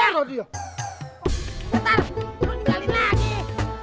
bentar lu tinggalin lagi